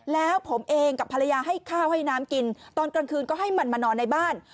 แล้วผมเองกับภรรยาให้ข้าวให้น้ำกินตอนกลางคืนก็ให้มันมานอนในบ้าน